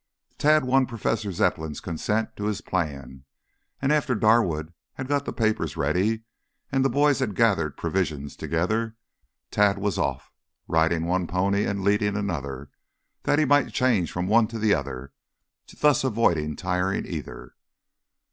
Tad won Professor Zepplin's consent to his plan, and after Darwood had got the papers ready and the boys had gathered provisions together, Tad was off, riding one pony and leading another, that he might change from one to the other, thus avoiding tiring either.